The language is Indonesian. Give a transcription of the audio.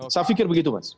saya pikir begitu mas